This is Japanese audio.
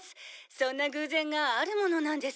「そんな偶然があるものなんですね」